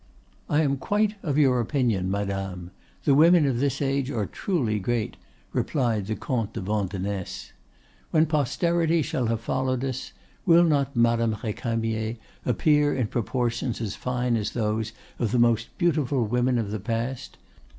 "I am quite of your opinion, madame; the women of this age are truly great," replied the Comte de Vandenesse. "When posterity shall have followed us, will not Madame Recamier appear in proportions as fine as those of the most beautiful women of the past?